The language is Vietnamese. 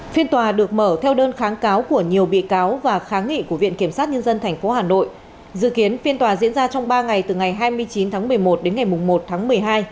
phiên tòa được mở theo đơn kháng cáo của nhiều bị cáo và kháng nghị của viện kiểm sát nhân dân tp hà nội dự kiến phiên tòa diễn ra trong ba ngày từ ngày hai mươi chín tháng một mươi một đến ngày một tháng một mươi hai